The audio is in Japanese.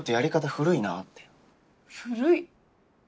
古い？